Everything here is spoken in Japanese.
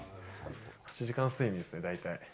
８時間睡眠っすね、大体。